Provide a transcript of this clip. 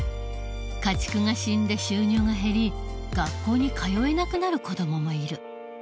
家畜が死んで収入が減り学校に通えなくなる子どももいる。